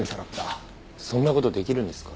そんな事できるんですか？